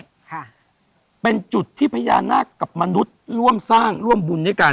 ค่ะเป็นจุดที่พญานาคกับมนุษย์ร่วมสร้างร่วมบุญด้วยกัน